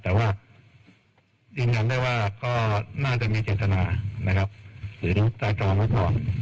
แต่ว่ายืนยันได้ว่าก็น่าจะมีเจตนานะครับหรือไตรตรองไว้ก่อน